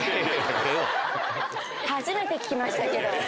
初めて聞きましたけど。